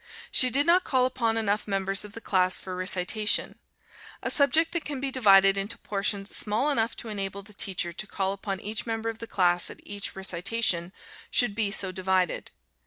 She did not call upon enough members of the class for recitation. A subject that can be divided into portions small enough to enable the teacher to call upon each member of the class at each recitation, should be so divided.